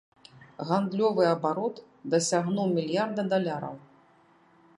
Гандлёвы абарот дасягнуў мільярда даляраў!